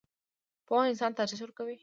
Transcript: پوهه انسان ته ارزښت ورکوي